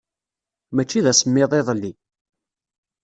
Maci d asemmiḍ iḍelli.